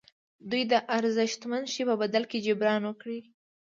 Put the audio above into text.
دوی د ارزښتمن شي په بدل کې جبران وکړي.